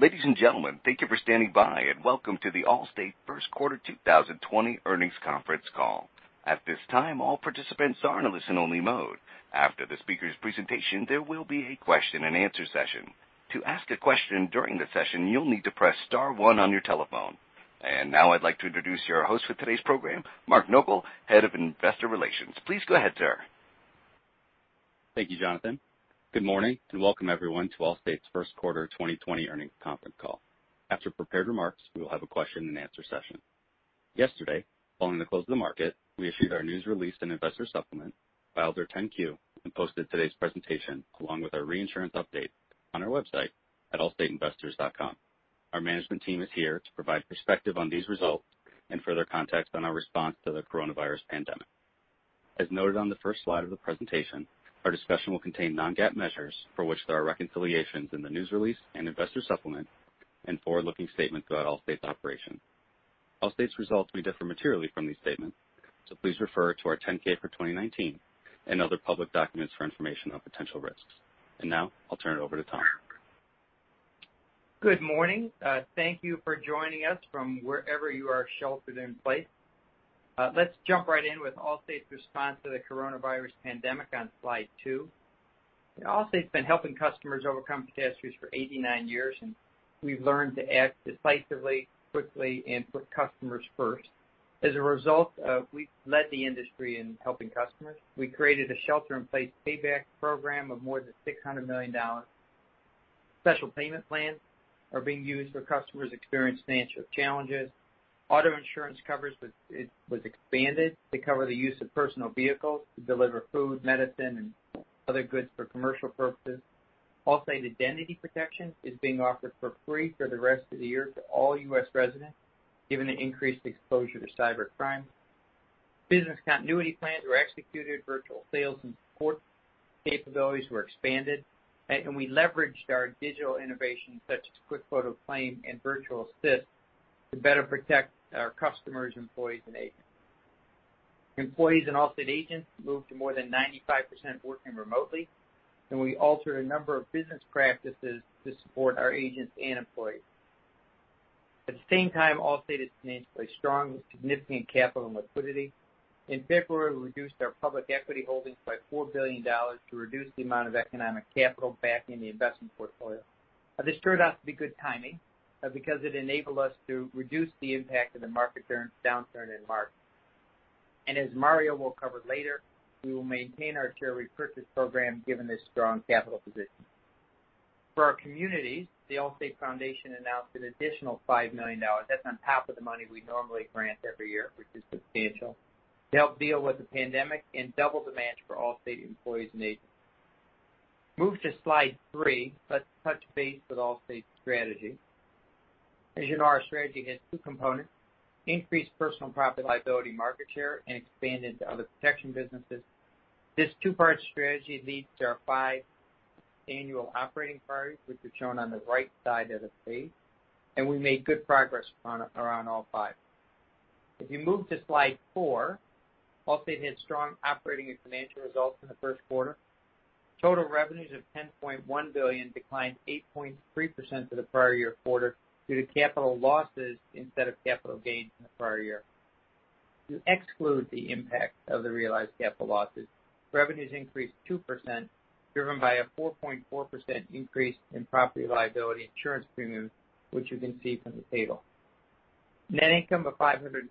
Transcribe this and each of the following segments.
Ladies and gentlemen, thank you for standing by, and welcome to the Allstate First Quarter 2020 Earnings Conference call. At this time, all participants are in a listen-only mode. After the speaker's presentation, there will be a question-and-answer session. To ask a question during the session, you'll need to press star one on your telephone. Now I'd like to introduce your host for today's program, Mark Nogal, Head of Investor Relations. Please go ahead, sir. Thank you, Jonathan. Good morning, and welcome everyone to Allstate's First Quarter 2020 Earnings Conference call. After prepared remarks, we will have a question-and-answer session. Yesterday, following the close of the market, we issued our news release and investor supplement, filed our 10-Q, and posted today's presentation along with our reinsurance update on our website at allstateinvestors.com. Our management team is here to provide perspective on these results and further context on our response to the coronavirus pandemic. As noted on the first slide of the presentation, our discussion will contain non-GAAP measures for which there are reconciliations in the news release and investor supplement, and forward-looking statements about Allstate's operation. Allstate's results may differ materially from these statements, so please refer to our 10-K for 2019 and other public documents for information on potential risks, and now I'll turn it over to Tom. Good morning. Thank you for joining us from wherever you are sheltered in place. Let's jump right in with Allstate's response to the coronavirus pandemic on slide two. Allstate's been helping customers overcome catastrophes for 89 years, and we've learned to act decisively, quickly, and put customers first. As a result, we've led the industry in helping customers. We created a Shelter-in-Place Payback program of more than $600 million. Special payment plans are being used for customers experiencing financial challenges. Auto insurance coverage was expanded to cover the use of personal vehicles to deliver food, medicine, and other goods for commercial purposes. Allstate Identity Protection is being offered for free for the rest of the year to all U.S. residents, given the increased exposure to cybercrime. Business continuity plans were executed. Virtual sales and support capabilities were expanded. We leveraged our digital innovations, such as Quick Photo Claim and Virtual Assist, to better protect our customers, employees, and agents. Employees and Allstate agents moved to more than 95% working remotely, and we altered a number of business practices to support our agents and employees. At the same time, Allstate is financially strong with significant capital and liquidity. In February, we reduced our public equity holdings by $4 billion to reduce the amount of economic capital back in the investment portfolio. This turned out to be good timing because it enabled us to reduce the impact of the market downturn in March. As Mario will cover later, we will maintain our share repurchase program given this strong capital position. For our communities, the Allstate Foundation announced an additional $5 million. That's on top of the money we normally grant every year, which is substantial, to help deal with the pandemic and double the match for Allstate employees and agents. Move to slide three. Let's touch base with Allstate's strategy. As you know, our strategy has two components: increased personal property liability market share and expanded to other protection businesses. This two-part strategy leads to our five annual operating priorities, which are shown on the right side of the page, and we made good progress around all five. If you move to slide four, Allstate had strong operating and financial results in the first quarter. Total revenues of $10.1 billion declined 8.3% from the prior year quarter due to capital losses instead of capital gains in the prior year. To exclude the impact of the realized capital losses, revenues increased 2%, driven by a 4.4% increase in property liability insurance premiums, which you can see from the table. Net income of $513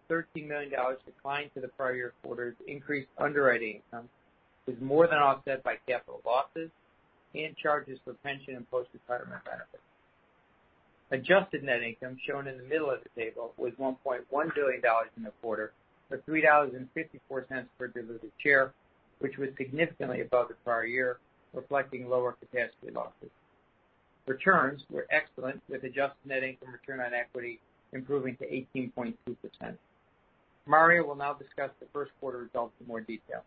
million declined from the prior year quarter's increased underwriting income is more than offset by capital losses and charges for pension and post-retirement benefits. Adjusted net income, shown in the middle of the table, was $1.1 billion in the quarter for $3.54 per diluted share, which was significantly above the prior year, reflecting lower catastrophe losses. Returns were excellent, with adjusted net income return on equity improving to 18.2%. Mario will now discuss the first quarter results in more detail.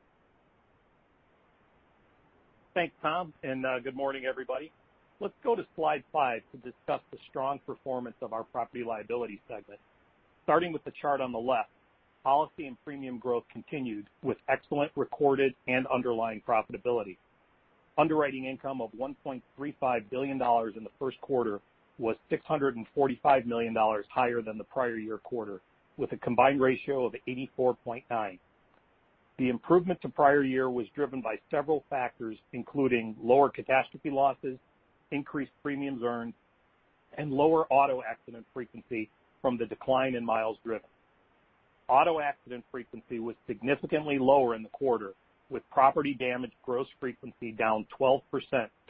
Thanks, Tom. Good morning, everybody. Let's go to slide five to discuss the strong performance of our Property-Liability segment. Starting with the chart on the left, policy and premium growth continued with excellent recorded and underlying profitability. Underwriting income of $1.35 billion in the first quarter was $645 million higher than the prior year quarter, with a combined ratio of 84.9. The improvement to prior year was driven by several factors, including lower catastrophe losses, increased premiums earned, and lower auto accident frequency from the decline in miles driven. Auto accident frequency was significantly lower in the quarter, with property damage gross frequency down 12%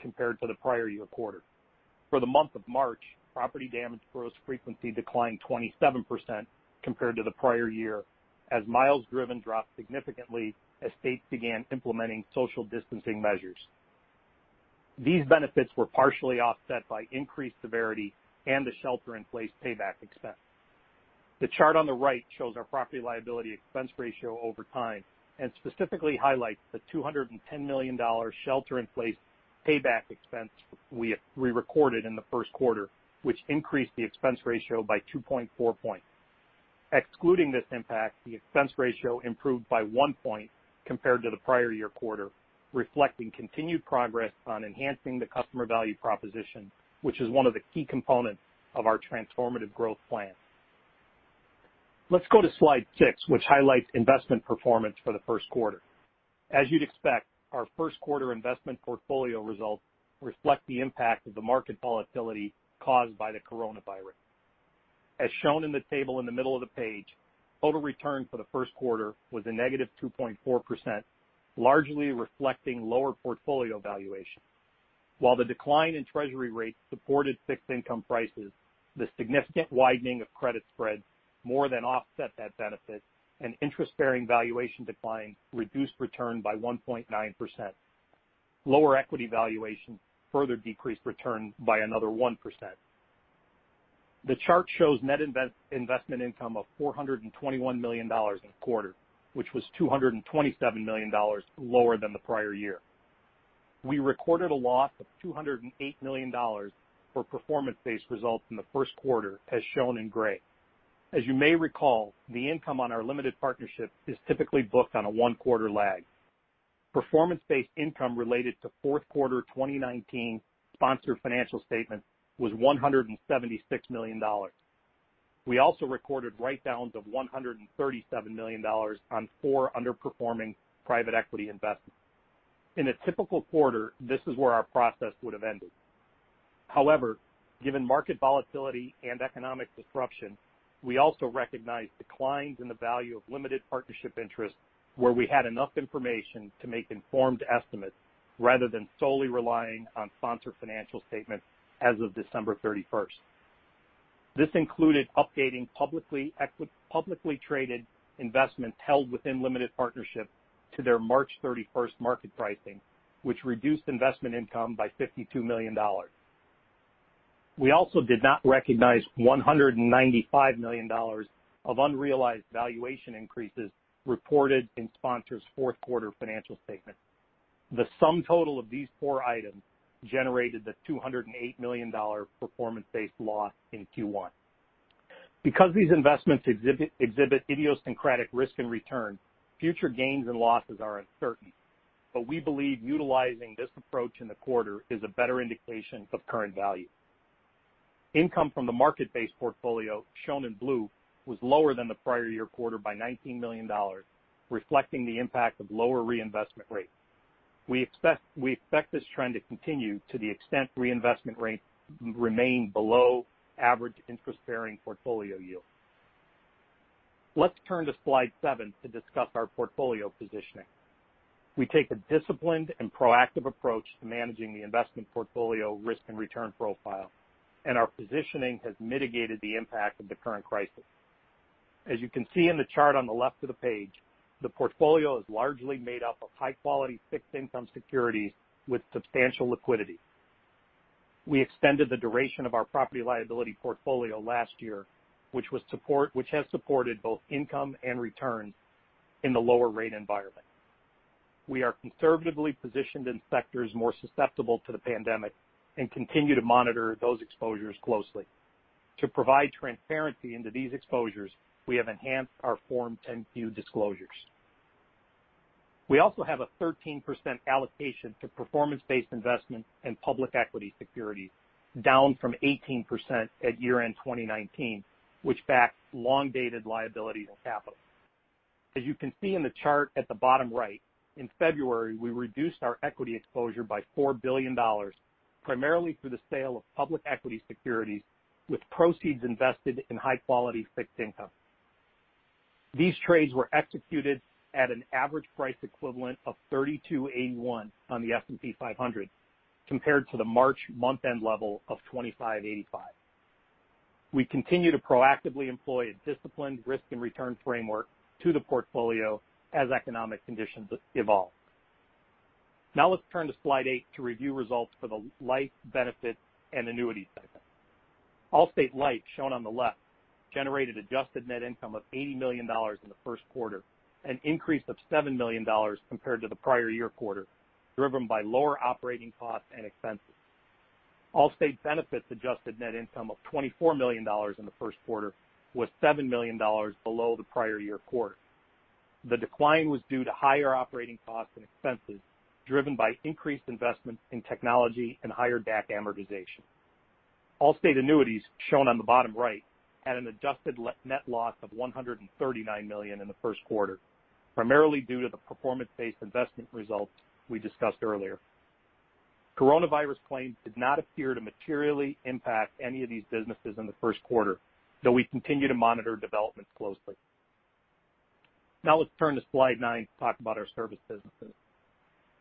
compared to the prior year quarter. For the month of March, property damage gross frequency declined 27% compared to the prior year, as miles driven dropped significantly as states began implementing social distancing measures. These benefits were partially offset by increased severity and the Shelter-in-Place Payback expense. The chart on the right shows our property-liability expense ratio over time and specifically highlights the $210 million Shelter-in-Place Payback expense we recorded in the first quarter, which increased the expense ratio by 2.4 points. Excluding this impact, the expense ratio improved by one point compared to the prior year quarter, reflecting continued progress on enhancing the customer value proposition, which is one of the key components of our Transformative Growth Plan. Let's go to slide six, which highlights investment performance for the first quarter. As you'd expect, our first quarter investment portfolio results reflect the impact of the market volatility caused by the coronavirus. As shown in the table in the middle of the page, total return for the first quarter was a negative 2.4%, largely reflecting lower portfolio valuation. While the decline in treasury rates supported fixed income prices, the significant widening of credit spreads more than offset that benefit, and interest-bearing valuation declines reduced return by 1.9%. Lower equity valuations further decreased return by another 1%. The chart shows net investment income of $421 million in the quarter, which was $227 million lower than the prior year. We recorded a loss of $208 million for performance-based results in the first quarter, as shown in gray. As you may recall, the income on our limited partnership is typically booked on a one-quarter lag. Performance-based income related to fourth quarter 2019 sponsored financial statements was $176 million. We also recorded write-downs of $137 million on four underperforming private equity investments. In a typical quarter, this is where our process would have ended. However, given market volatility and economic disruption, we also recognized declines in the value of limited partnership interests, where we had enough information to make informed estimates rather than solely relying on sponsored financial statements as of December 31st. This included updating publicly traded investments held within limited partnerships to their March 31st market pricing, which reduced investment income by $52 million. We also did not recognize $195 million of unrealized valuation increases reported in sponsors' fourth quarter financial statements. The sum total of these four items generated the $208 million performance-based loss in Q1. These investments exhibit idiosyncratic risk and return, future gains and losses are uncertain, but we believe utilizing this approach in the quarter is a better indication of current value. Income from the market-based portfolio, shown in blue, was lower than the prior year quarter by $19 million, reflecting the impact of lower reinvestment rates. We expect this trend to continue to the extent reinvestment rates remain below average interest-bearing portfolio yield. Let's turn to slide seven to discuss our portfolio positioning. We take a disciplined and proactive approach to managing the investment portfolio risk and return profile, and our positioning has mitigated the impact of the current crisis. As you can see in the chart on the left of the page, the portfolio is largely made up of high-quality fixed income securities with substantial liquidity. We extended the duration of our property liability portfolio last year, which has supported both income and returns in the lower rate environment. We are conservatively positioned in sectors more susceptible to the pandemic and continue to monitor those exposures closely. To provide transparency into these exposures, we have enhanced our Form 10-Q disclosures. We also have a 13% allocation to performance-based investments and public equity securities, down from 18% at year-end 2019, which backed long-dated liabilities and capital. As you can see in the chart at the bottom right, in February, we reduced our equity exposure by $4 billion, primarily through the sale of public equity securities with proceeds invested in high-quality fixed income. These trades were executed at an average price equivalent of $32.81 on the S&P 500, compared to the March month-end level of $25.85. We continue to proactively employ a disciplined risk and return framework to the portfolio as economic conditions evolve. Now, let's turn to slide eight to review results for the life, benefit, and annuity segment. Allstate Life, shown on the left, generated adjusted net income of $80 million in the first quarter, an increase of $7 million compared to the prior year quarter, driven by lower operating costs and expenses. Allstate Benefits' adjusted net income of $24 million in the first quarter was $7 million below the prior year quarter. The decline was due to higher operating costs and expenses driven by increased investment in technology and higher DAC amortization. Allstate Annuities, shown on the bottom right, had an adjusted net loss of $139 million in the first quarter, primarily due to the performance-based investment results we discussed earlier. Coronavirus claims did not appear to materially impact any of these businesses in the first quarter, though we continue to monitor developments closely. Now, let's turn to slide nine to talk about our service businesses.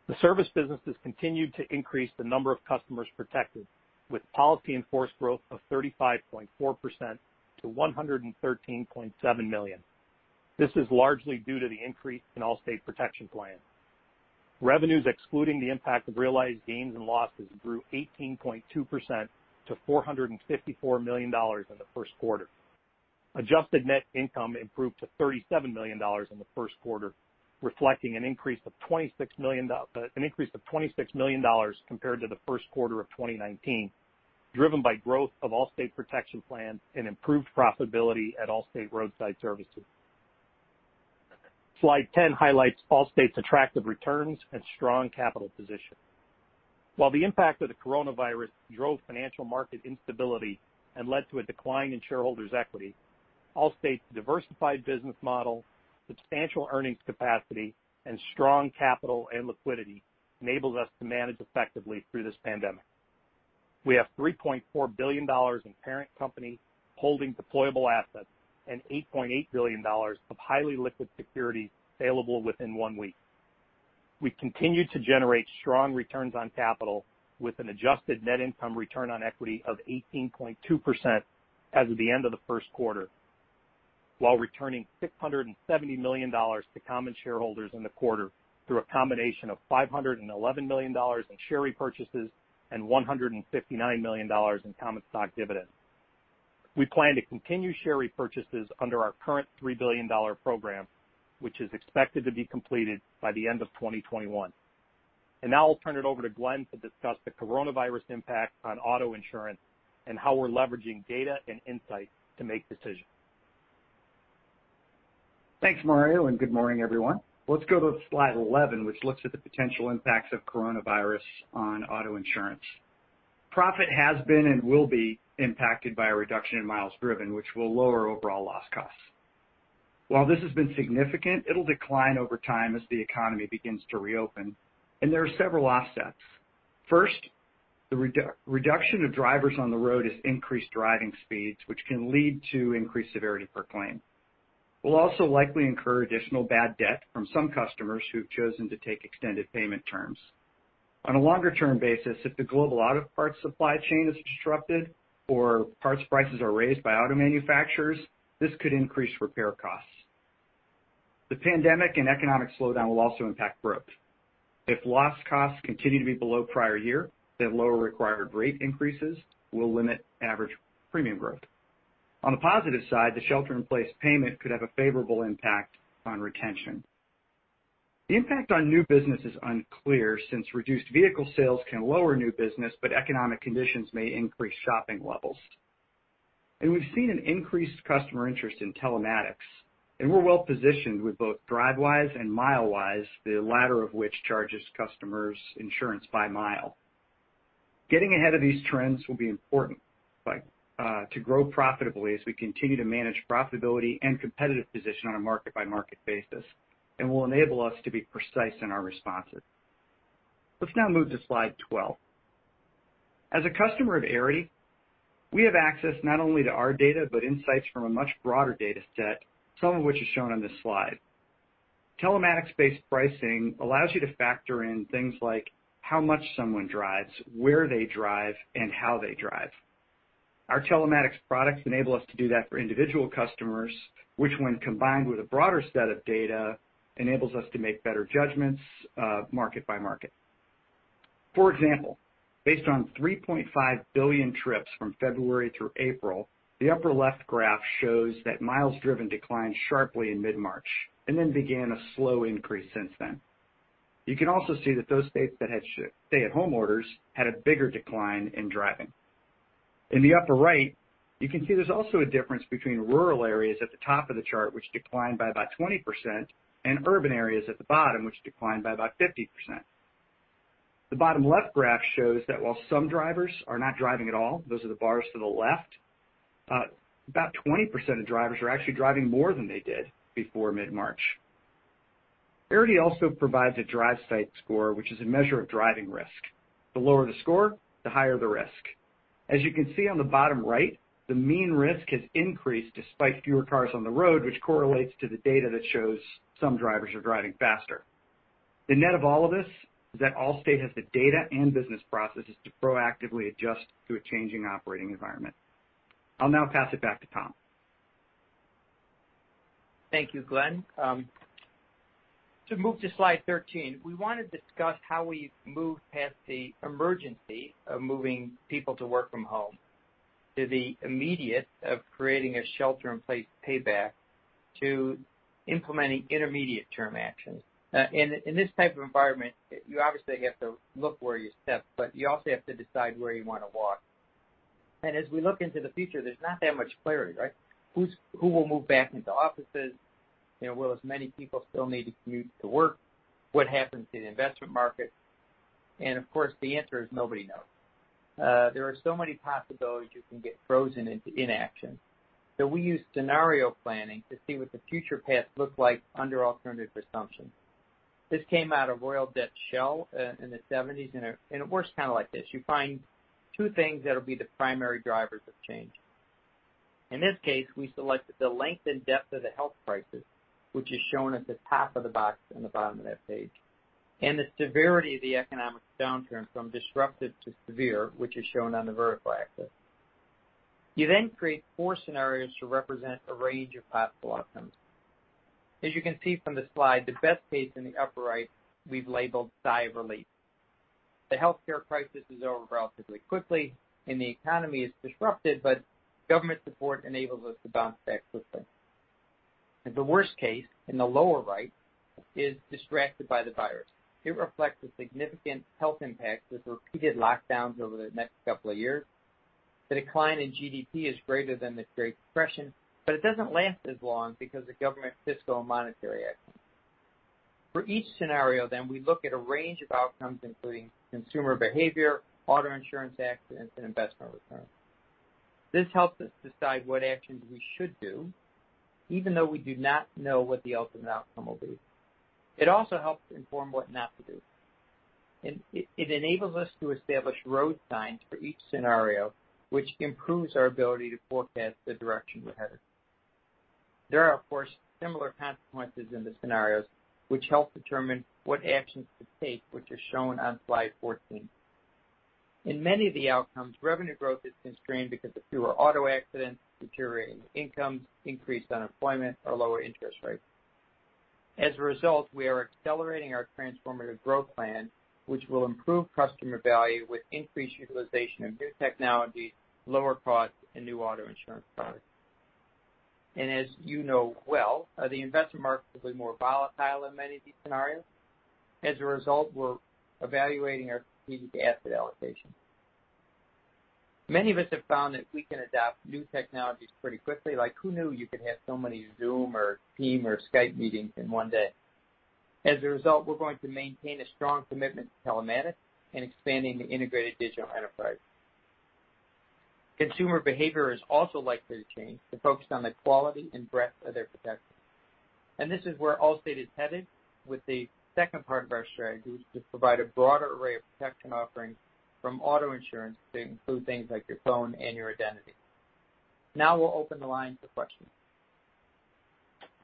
The service businesses continued to increase the number of customers protected, with policies in force growth of 35.4% to $113.7 million. This is largely due to the increase in Allstate's protection plans. Revenues, excluding the impact of realized gains and losses, grew 18.2% to $454 million in the first quarter. Adjusted net income improved to $37 million in the first quarter, reflecting an increase of $26 million compared to the first quarter of 2019, driven by growth of Allstate's protection plans and improved profitability at Allstate Roadside Services. Slide 10 highlights Allstate's attractive returns and strong capital position. While the impact of the coronavirus drove financial market instability and led to a decline in shareholders' equity, Allstate's diversified business model, substantial earnings capacity, and strong capital and liquidity enabled us to manage effectively through this pandemic. We have $3.4 billion in parent company holding deployable assets and $8.8 billion of highly liquid securities available within one week. We continue to generate strong returns on capital, with an adjusted net income return on equity of 18.2% as of the end of the first quarter, while returning $670 million to common shareholders in the quarter through a combination of $511 million in share repurchases and $159 million in common stock dividends. We plan to continue share repurchases under our current $3 billion program, which is expected to be completed by the end of 2021. Now, I'll turn it over to Glenn to discuss the coronavirus impact on auto insurance and how we're leveraging data and insight to make decisions. Thanks, Mario, and good morning, everyone. Let's go to slide 11, which looks at the potential impacts of coronavirus on auto insurance. Profit has been and will be impacted by a reduction in miles driven, which will lower overall loss costs. While this has been significant, it'll decline over time as the economy begins to reopen. There are several offsets. First, the reduction of drivers on the road has increased driving speeds, which can lead to increased severity per claim. We'll also likely incur additional bad debt from some customers who've chosen to take extended payment terms. On a longer-term basis, if the global auto parts supply chain is disrupted or parts prices are raised by auto manufacturers, this could increase repair costs. The pandemic and economic slowdown will also impact growth. If loss costs continue to be below prior year, then lower required rate increases will limit average premium growth. On the positive side, the Shelter-in-Place Payback could have a favorable impact on retention. The impact on new business is unclear since reduced vehicle sales can lower new business, but economic conditions may increase shopping levels, and we've seen an increased customer interest in telematics, and we're well positioned with both DriveWise and MileWise, the latter of which charges customers insurance by mile. Getting ahead of these trends will be important to grow profitably as we continue to manage profitability and competitive position on a market-by-market basis, and will enable us to be precise in our responses. Let's now move to slide 12. As a customer of Arity, we have access not only to our data but insights from a much broader data set, some of which is shown on this slide. Telematics-based pricing allows you to factor in things like how much someone drives, where they drive, and how they drive. Our telematics products enable us to do that for individual customers, which, when combined with a broader set of data, enables us to make better judgments market-by-market. For example, based on 3.5 billion trips from February through April, the upper-left graph shows that miles driven declined sharply in mid-March and then began a slow increase since then. You can also see that those states that had stay-at-home orders had a bigger decline in driving. In the upper right, you can see there's also a difference between rural areas at the top of the chart, which declined by about 20%, and urban areas at the bottom, which declined by about 50%. The bottom-left graph shows that while some drivers are not driving at all, those are the bars to the left, about 20% of drivers are actually driving more than they did before mid-March. Arity also provides a Drive-Safe Score, which is a measure of driving risk. The lower the score, the higher the risk. As you can see on the bottom right, the mean risk has increased despite fewer cars on the road, which correlates to the data that shows some drivers are driving faster. The net of all of this is that Allstate has the data and business processes to proactively adjust to a changing operating environment. I'll now pass it back to Tom. Thank you, Glenn. To move to slide 13, we want to discuss how we've moved past the emergency of moving people to work from home to the immediate of creating a shelter-in-place payback to implementing intermediate-term actions, and in this type of environment, you obviously have to look where you step, but you also have to decide where you want to walk, and as we look into the future, there's not that much clarity, right? Who will move back into offices? Will as many people still need to commute to work? What happens to the investment market, and of course, the answer is nobody knows. There are so many possibilities you can get frozen into inaction, so we use scenario planning to see what the future path looks like under alternative assumptions. This came out of Royal Dutch Shell in the 1970s, and it works like this. You find two things that'll be the primary drivers of change. In this case, we selected the length and depth of the health crisis, which is shown at the top of the box and the bottom of that page, and the severity of the economic downturn from disruptive to severe, which is shown on the vertical axis. You then create four scenarios to represent a range of possible outcomes. As you can see from the slide, the best case in the upper right we've labeled Snappily. The healthcare crisis is over relatively quickly, and the economy is disrupted, but government support enables us to bounce back quickly. The worst case in the lower right is Distracted by the Virus. It reflects a significant health impact with repeated lockdowns over the next couple of years. The decline in GDP is greater than the Great Depression, but it doesn't last as long because of government fiscal and monetary action. For each scenario, then, we look at a range of outcomes, including consumer behavior, auto insurance accidents, and investment returns. This helps us decide what actions we should do, even though we do not know what the ultimate outcome will be. It also helps inform what not to do. It enables us to establish road signs for each scenario, which improves our ability to forecast the direction we're headed. There are, of course, similar consequences in the scenarios, which help determine what actions to take, which are shown on slide 14. In many of the outcomes, revenue growth is constrained because of fewer auto accidents, deteriorating incomes, increased unemployment, or lower interest rates. As a result, we are accelerating our Transformative Growth Plan, which will improve customer value with increased utilization of new technologies, lower costs, and new auto insurance products. As you know well, the investment market will be more volatile in many of these scenarios. As a result, we're evaluating our strategic asset allocation. Many of us have found that we can adopt new technologies pretty quickly, like who knew you could have so many Zoom or Teams or Skype meetings in one day. As a result, we're going to maintain a strong commitment to telematics and expanding the integrated digital enterprise. Consumer behavior is also likely to change, focused on the quality and breadth of their protection. And this is where Allstate is headed with the second part of our strategy, which is to provide a broader array of protection offerings from auto insurance to include things like your phone and your identity. Now, we'll open the line for questions.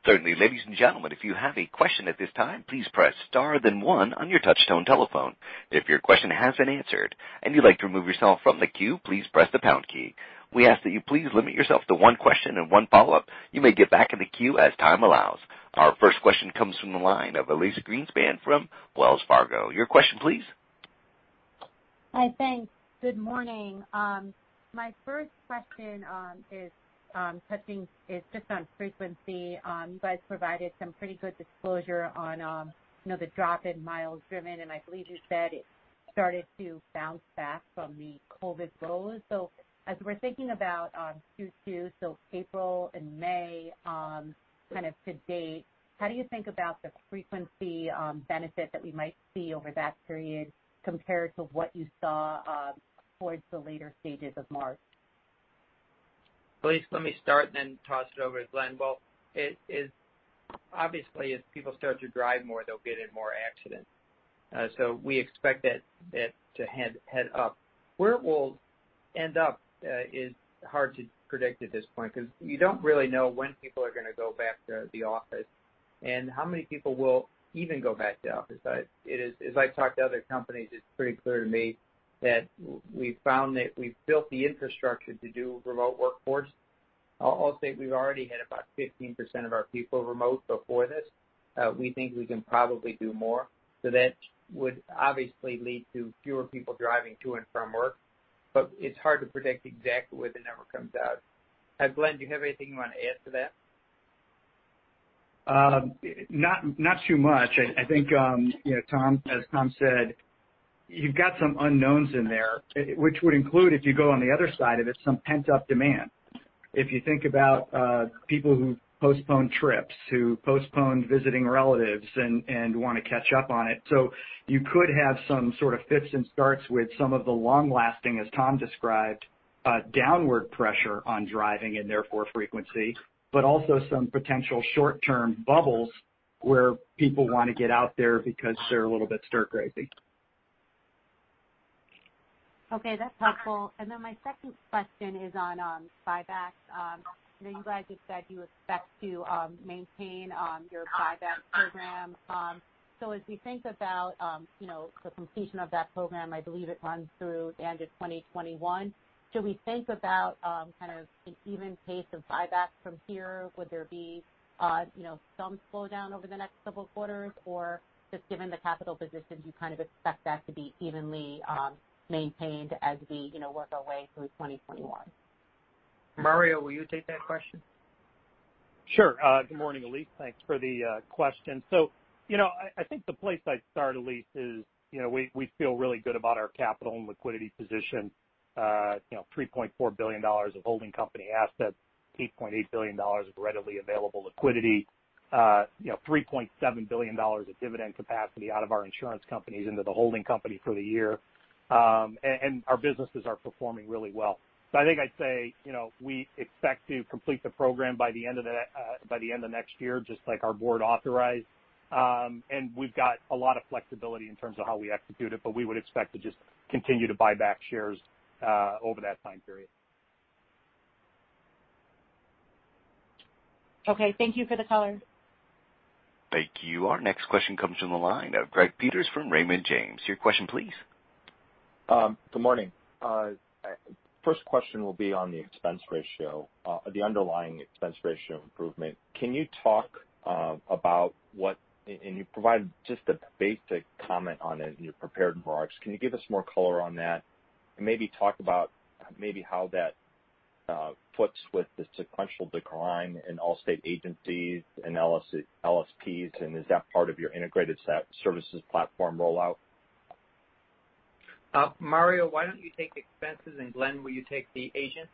Certainly. Ladies and gentlemen, if you have a question at this time, please press star then one on your touch-tone telephone. If your question has been answered and you'd like to remove yourself from the queue, please press the pound key. We ask that you please limit yourself to one question and one follow-up. You may get back in the queue as time allows. Our first question comes from the line of Elyse Greenspan from Wells Fargo. Your question, please. Hi, thanks. Good morning. My first question is touching just on frequency. You guys provided some pretty good disclosure on the drop in miles driven, and I believe you said it started to bounce back from the COVID lows. As we're thinking about Q2, so April and May to date, how do you think about the frequency benefit that we might see over that period compared to what you saw towards the later stages of March? Elyse, let me start and then toss it over to Glenn. Well, obviously, as people start to drive more, they'll get in more accidents. We expect that to head up. Where we'll end up is hard to predict at this point because you don't really know when people are going to go back to the office and how many people will even go back to the office. As I've talked to other companies, it's pretty clear to me that we've found that we've built the infrastructure to do remote workforce. I'll say we've already had about 15% of our people remote before this. We can probably do more. That would obviously lead to fewer people driving to and from work, but it's hard to predict exactly where the number comes out. Glenn, do you have anything you want to add to that? Not too much. As Tom said, you've got some unknowns in there, which would include, if you go on the other side of it, some pent-up demand. If you think about people who postponed trips, who postponed visiting relatives and want to catch up on it, so you could have some fits and starts with some of the long-lasting, as Tom described, downward pressure on driving and therefore frequency, but also some potential short-term bubbles where people want to get out there because they're a little bit stir-crazy. Okay. That's helpful. My second question is on buybacks. I know you guys have said you expect to maintain your buyback program. As we think about the completion of that program, I believe it runs through the end of 2021, should we think about an even pace of buyback from here? Would there be some slowdown over the next couple of quarters, or just given the capital positions, you expect that to be evenly maintained as we work our way through 2021? Mario, will you take that question? Sure. Good morning, Elyse. Thanks for the question. The place I'd start, Elyse, is we feel really good about our capital and liquidity position: $3.4 billion of holding company assets, $8.8 billion of readily available liquidity, $3.7 billion of dividend capacity out of our insurance companies into the holding company for the year. Our businesses are performing really well. I'd say we expect to complete the program by the end of the next year, just like our board authorized. We've got a lot of flexibility in terms of how we execute it, but we would expect to just continue to buy back shares over that time period. Okay. Thank you for the color. Thank you. Our next question comes from the line of Greg Peters from Raymond James. Your question, please. Good morning. First question will be on the expense ratio, the underlying expense ratio improvement. Can you talk about what, and you provided just a basic comment on it in your prepared remarks, can you give us more color on that and maybe talk about maybe how that fits with the sequential decline in Allstate agencies and LSPs? Is that part of your integrated services platform rollout? Mario, why don't you take expenses, and Glenn, will you take the agent?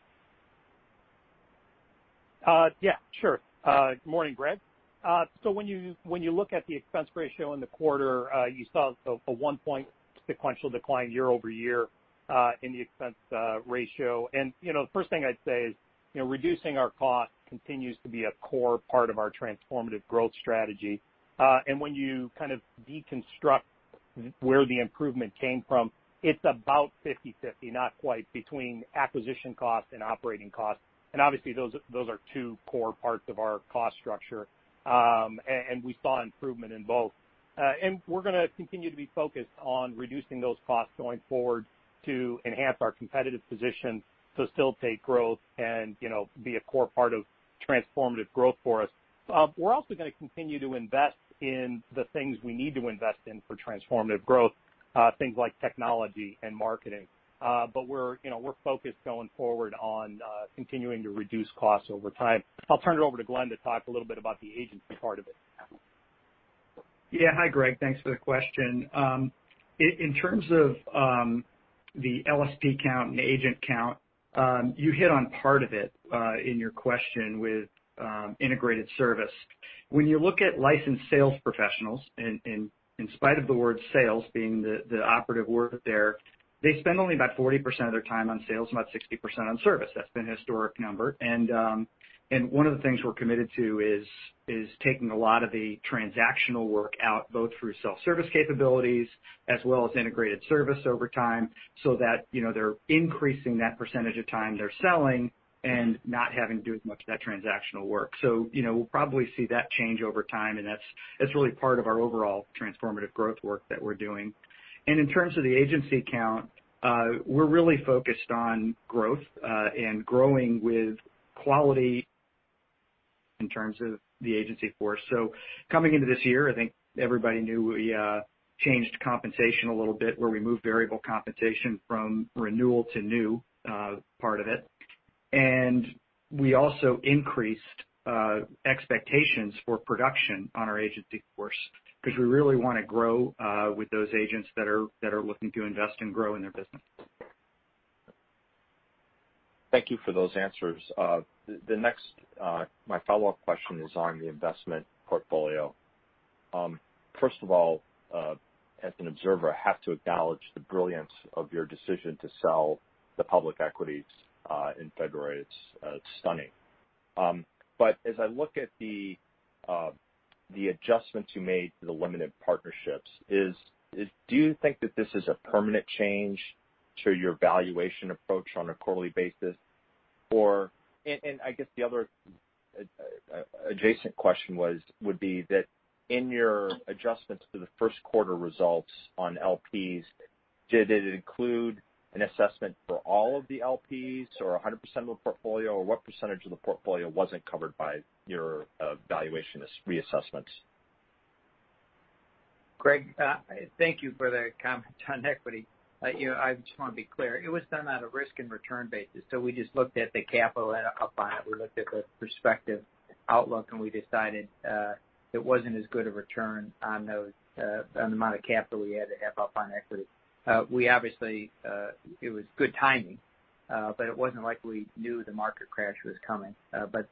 Yeah, sure. Good morning, Greg, so when you look at the expense ratio in the quarter, you saw a one-point sequential decline year over year in the expense ratio, and the first thing I'd say is reducing our cost continues to be a core part of our transformative growth strategy, and when you deconstruct where the improvement came from, it's about 50/50, not quite, between acquisition cost and operating cost, and obviously, those are two core parts of our cost structure, and we saw improvement in both, and we're going to continue to be focused on reducing those costs going forward to enhance our competitive position to still take growth and be a core part of transformative growth for us. We're also going to continue to invest in the things we need to invest in for transformative growth, things like technology and marketing. We're focused going forward on continuing to reduce costs over time. I'll turn it over to Glenn to talk a little bit about the agency part of it. Yeah. Hi, Greg. Thanks for the question. In terms of the LSP count and agent count, you hit on part of it in your question with integrated service. When you look at licensed sales professionals, in spite of the word sales being the operative word there, they spend only about 40% of their time on sales, about 60% on service. That's been a historic number. One of the things we're committed to is taking a lot of the transactional work out, both through self-service capabilities as well as integrated service over time, so that they're increasing that percentage of time they're selling and not having to do as much of that transactional work. We'll probably see that change over time, and that's really part of our overall transformative growth work that we're doing. In terms of the agency count, we're really focused on growth and growing with quality in terms of the agency force. Coming into this year, everybody knew we changed compensation a little bit, where we moved variable compensation from renewal to new part of it. We also increased expectations for production on our agency force because we really want to grow with those agents that are looking to invest and grow in their business. Thank you for those answers. My follow-up question is on the investment portfolio. First of all, as an observer, I have to acknowledge the brilliance of your decision to sell the public equities in February. It's stunning. As I look at the adjustments you made to the limited partnerships, do you think that this is a permanent change to your valuation approach on a quarterly basis? The other adjacent question would be that in your adjustments to the first quarter results on LPs, did it include an assessment for all of the LPs or 100% of the portfolio, or what percentage of the portfolio wasn't covered by your valuation reassessments? Greg, thank you for that comment on equity. I just want to be clear. It was done on a risk and return basis. We just looked at the capital up on it. We looked at the prospective outlook, and we decided it wasn't as good a return on the amount of capital we had to have up on equity. It was good timing, but it wasn't like we knew the market crash was coming.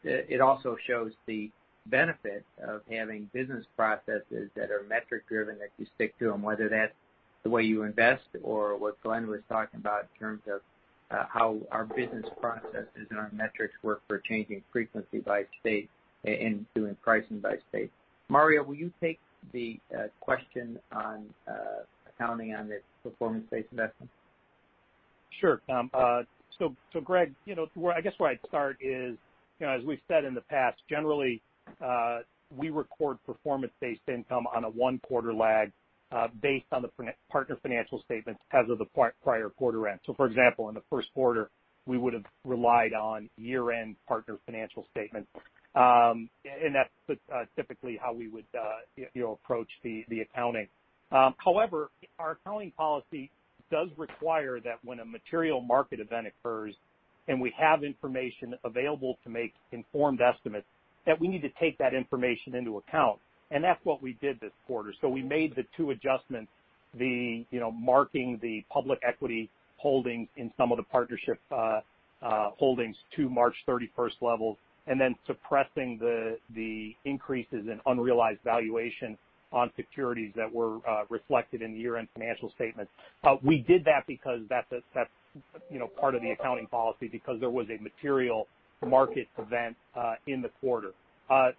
It also shows the benefit of having business processes that are metric-driven that you stick to them, whether that's the way you invest or what Glenn was talking about in terms of how our business processes and our metrics work for changing frequency by state and doing pricing by state. Mario, will you take the question on accounting on the performance-based investment? Sure. Greg, where I'd start is, as we've said in the past, generally, we record performance-based income on a one-quarter lag based on the partner financial statements as of the prior quarter end. For example, in the first quarter, we would have relied on year-end partner financial statements. That's typically how we would approach the accounting. However, our accounting policy does require that when a material market event occurs and we have information available to make informed estimates, that we need to take that information into account. That's what we did this quarter. We made the two adjustments, marking the public equity holdings in some of the partnership holdings to March 31st levels and then suppressing the increases in unrealized valuation on securities that were reflected in the year-end financial statements. We did that because that's part of the accounting policy because there was a material market event in the quarter.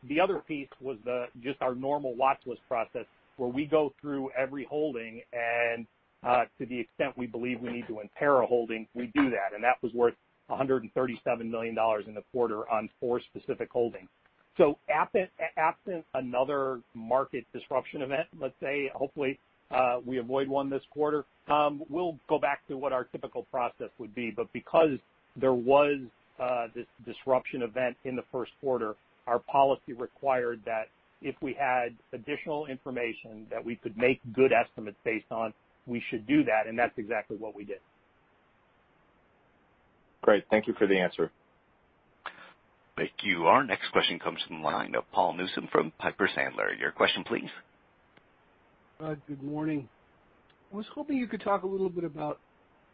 The other piece was just our normal watchlist process, where we go through every holding, and to the extent we believe we need to impair a holding, we do that. That was worth $137 million in the quarter on four specific holdings. Absent another market disruption event, let's say, hopefully, we avoid one this quarter. We'll go back to what our typical process would be. There was this disruption event in the first quarter, our policy required that if we had additional information that we could make good estimates based on, we should do that. That's exactly what we did. Great. Thank you for the answer. Thank you. Our next question comes from the line of Paul Newsom from Piper Sandler. Your question, please. Good morning. I was hoping you could talk a little bit about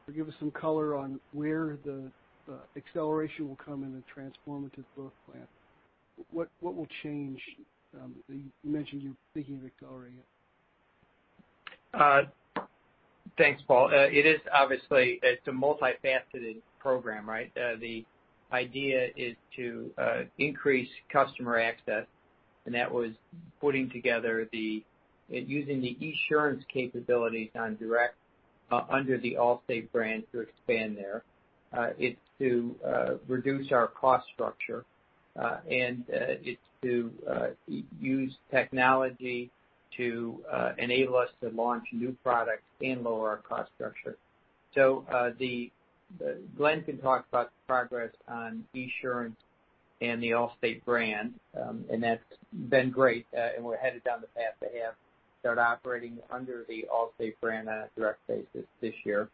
or give us some color on where the acceleration will come in the Transformative Growth Plan. What will change? You mentioned you're thinking of accelerating it. Thanks, Paul. It is obviously. It's a multifaceted program, right? The idea is to increase customer access, and that was putting together using the Esurance capabilities on direct under the Allstate brand to expand there. It's to reduce our cost structure, and it's to use technology to enable us to launch new products and lower our cost structure. Glenn can talk about the progress on Esurance and the Allstate brand, and that's been great. We're headed down the path to start operating under the Allstate brand on a direct basis this year.